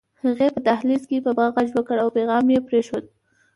هغې په دهلېز کې په ما غږ وکړ او پيغام يې پرېښود